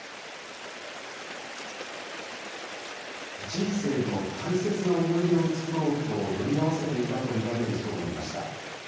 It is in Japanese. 人生の大切な思い出を作ろうと、乗り合わせていたと見られる人もいました。